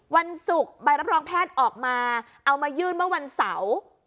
วันศุกร์ใบรับรองแพทย์ออกมาเอามายื่นเมื่อวันเสาร์